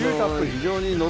非常にノ